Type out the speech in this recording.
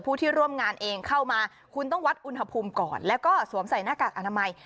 ที่ร่วมงานเองเข้ามาคุณต้องวัดอุณหภูมิก่อนแล้วก็สวมใส่หน้ากากอนามัย